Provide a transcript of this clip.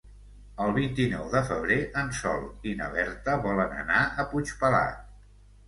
El vint-i-nou de febrer en Sol i na Berta volen anar a Puigpelat.